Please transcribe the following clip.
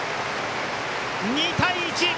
２対１。